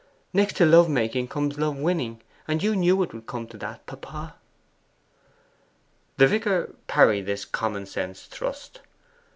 Next to love making comes love winning, and you knew it would come to that, papa.' The vicar parried this common sense thrust.